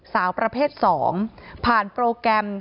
สาวประเภท๒ผ่านโปรแกรม